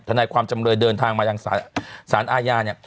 นายความจำเลยเดินทางมายังสารอาญาเนี่ย